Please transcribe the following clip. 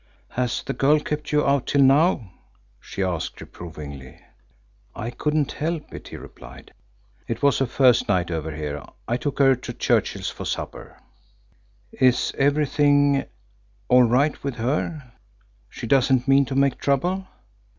"Has that girl kept you out till now?" she asked reprovingly. "I couldn't help it," he replied. "It was her first night over here. I took her to Churchill's for supper." "Is everything all right with her? She doesn't mean to make trouble?"